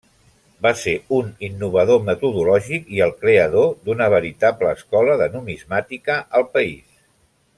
Va ser un innovador metodològic i el creador d'una veritable escola de numismàtica al país.